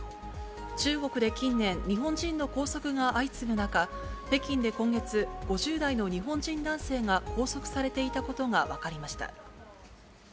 中国で近年、日本人の拘束が相次ぐ中、北京で今月、５０代の日本人男性が拘束されていたことが分かりました。